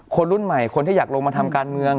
คนรุ่นใหม่คนที่อยากลงมาทำการเมือง